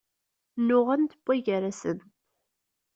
Nnuɣent wway-gar-asent.